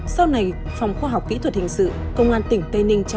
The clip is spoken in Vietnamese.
sau này phòng khoa học kỹ thuật hình sự công an tỉnh tây ninh